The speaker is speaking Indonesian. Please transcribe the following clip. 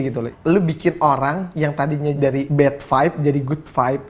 kamu membuat orang yang tadinya dari bad vibe menjadi good vibe